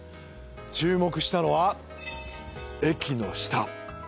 注目したのは、駅の下。